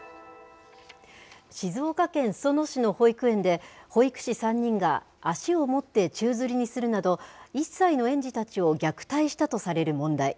静岡県裾野市の保育園で、保育士３人が足を持って宙づりにするなど、１歳の園児たちを虐待したとされる問題。